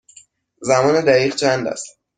زمان دقیق چند است؟